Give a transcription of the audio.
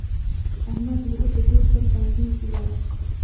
احمد د زړه په زور تر ښوونځي ولاړ.